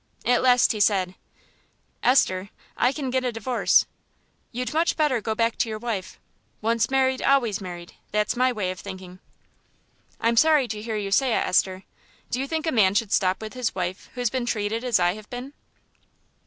At last he said "Esther, I can get a divorce." "You'd much better go back to your wife. Once married, always married, that's my way of thinking." "I'm sorry to hear you say it, Esther. Do you think a man should stop with his wife who's been treated as I have been?"